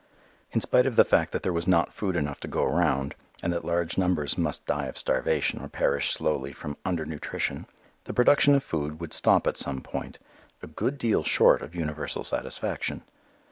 In spite of the fact that there was not food enough to go round, and that large numbers must die of starvation or perish slowly from under nutrition, the production of food would stop at some point a good deal short of universal satisfaction.